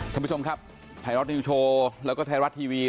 ท่านผู้ชมครับไทยรัฐนิวโชว์แล้วก็ไทยรัฐทีวี